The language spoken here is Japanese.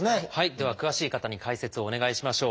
では詳しい方に解説をお願いしましょう。